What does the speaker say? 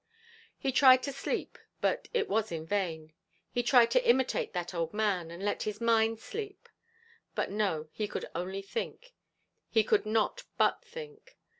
He tried to sleep, but it was in vain; he tried to imitate that old man, and let his mind sleep, but no, he could only think he could not but think.